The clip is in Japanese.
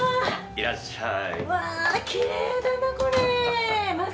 いってらっしゃい。